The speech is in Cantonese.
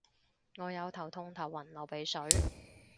我有頭痛頭暈流鼻水